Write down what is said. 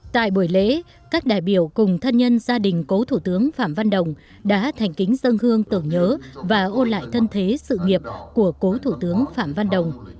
tại buổi lễ các đại biểu cùng thân nhân gia đình cố thủ tướng phạm văn đồng đã thành kính dân hương tưởng nhớ và ôn lại thân thế sự nghiệp của cố thủ tướng phạm văn đồng